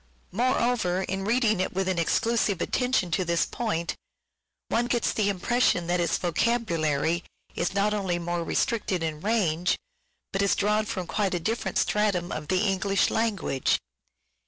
Moreover, in reading it with an exclusive attention to this point, one gets the impression that its vocabulary is not only more restricted in range, but is drawn from quite a different stratum of the English language.